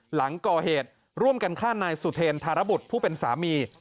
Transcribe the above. หลังก่อเหตุร่วมกันฆ่านายสุเทรนธารบุตรผู้เป็นสามี